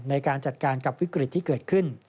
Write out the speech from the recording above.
ในการจัดการกับวิกฤตที่เกิดขึ้น